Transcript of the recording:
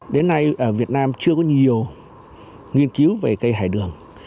đến nay ở việt nam chưa có nhiều nghiên cứu về cây hải đường